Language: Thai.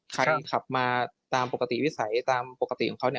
ใครขับมาตามปกติวิสัยตามปกติของเขาเนี่ย